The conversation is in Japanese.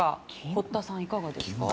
堀田さん、いかがですか。